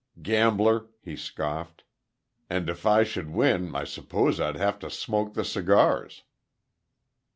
"Gambler!" he scoffed. "And if I should win, I suppose I'd have to smoke the cigars."